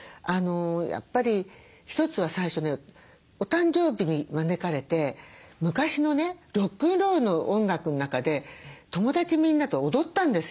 やっぱり一つは最初ねお誕生日に招かれて昔のねロックンロールの音楽の中で友達みんなと踊ったんですよ。